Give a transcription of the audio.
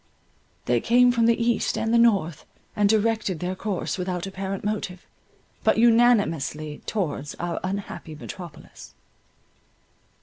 They came from the east and the north, and directed their course without apparent motive, but unanimously towards our unhappy metropolis.